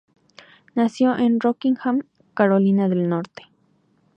Nació en Rockingham, Carolina del Norte.